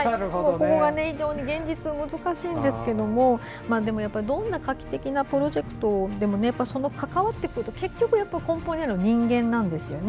ここが非常に現実、難しいんですけどもどんな画期的なプロジェクトでもその関わってくるものは根本にあるのは人間なんですよね。